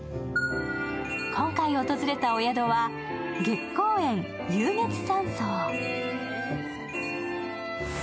今回訪れたお宿は月光園游月山荘。